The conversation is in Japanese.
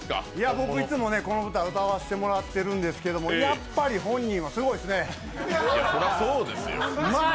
僕いつもこの歌歌わせてもらってるんですけどやっぱり本人はすごいですね。うまい！